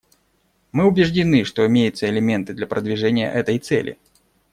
Мы убеждены, что имеются элементы для продвижения этой цели.